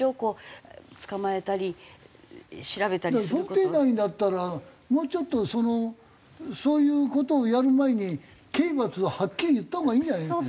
想定内だったらもうちょっとそのそういう事をやる前に刑罰をはっきり言ったほうがいいんじゃない？